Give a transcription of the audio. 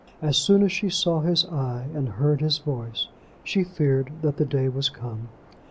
As soon as she saw his eye and heard his voice, she feared that the day was come.